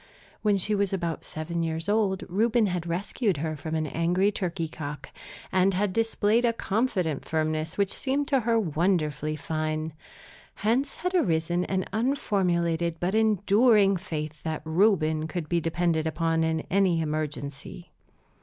When she was about seven years old Reuben had rescued her from an angry turkey cock, and had displayed a confident firmness which seemed to her wonderfully fine. Hence had arisen an unformulated but enduring faith that Reuben could be depended upon in any emergency.